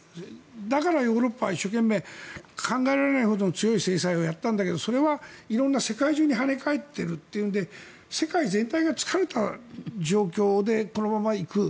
だからヨーロッパは一生懸命考えられないほどの強い制裁をやったんだけどそれは色んな、世界中に跳ね返っているというので世界全体が疲れた状況でこのまま行く。